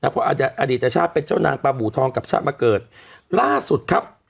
เพราะอดีตชาติเป็นเจ้านางปาบูทองกับชาติมาเกิดล่าสุดครับ